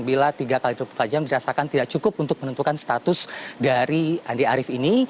bila tiga x dua puluh empat jam dirasakan tidak cukup untuk menentukan status dari andi arief ini